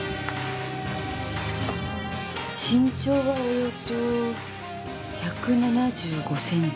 身長はおよそ１７５センチ。